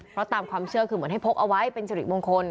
เพราะตามความเชื่อคือเหมือนให้พกเอาไว้เป็นสิริมงคล